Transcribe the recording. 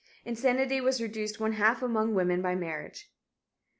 Insanity was reduced one half among women by marriage.